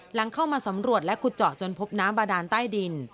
หลังเข้ามาสำรวจและขุดเจาะจนพบน้ำบาดานใต้ดิน